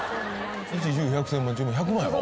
一十百千万１０万１００万やろ？